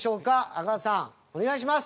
阿川さんお願いします。